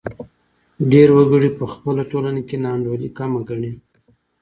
ډېر وګړي په خپله ټولنه کې ناانډولي کمه ګڼي.